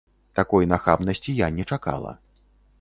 Такой нахабнасці я не чакала.